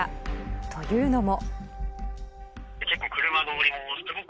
というのも。